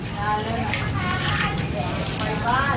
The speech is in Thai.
กาหล่าอาหาร